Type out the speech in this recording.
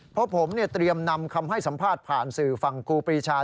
เพราะผมเตรียมนำคำให้สัมภาษณ์ผ่านสื่อฝั่งครูปรีชา